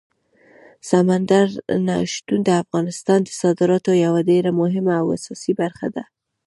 سمندر نه شتون د افغانستان د صادراتو یوه ډېره مهمه او اساسي برخه ده.